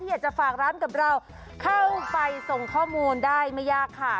อยากจะฝากร้านกับเราเข้าไปส่งข้อมูลได้ไม่ยากค่ะ